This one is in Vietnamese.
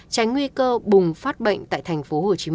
tránh nguy cơ bùng phát bệnh tại tp hcm